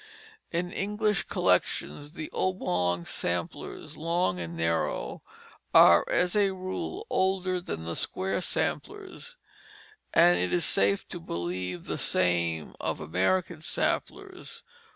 In English collections, the oblong samplers, long and narrow, are as a rule older than the square samplers; and it is safe to believe the same of American samplers.